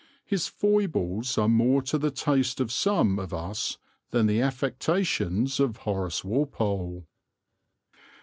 His foibles are more to the taste of some of us than the affectations of Horace Walpole.